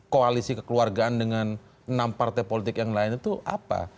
koalisi kekeluargaan dengan enam partai politik yang lain itu apa